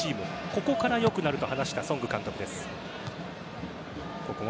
ここから良くなると話したソング監督です。